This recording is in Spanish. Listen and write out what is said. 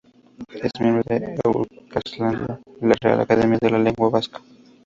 Es miembro de Euskaltzaindia, la Real Academia de la Lengua Vasca.